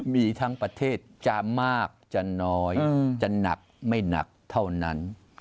มีทั้งประเทศจะมากจะน้อยจะหนักไม่หนักเท่านั้น